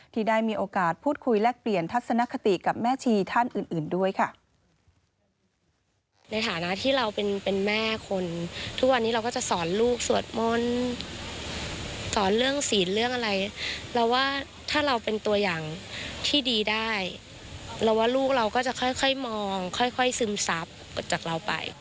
ที่ได้มีโอกาสพูดคุยแลกเปลี่ยนทัศนคติกับแม่ชีท่านอื่นด้วยค่ะ